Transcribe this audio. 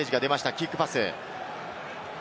キックパス。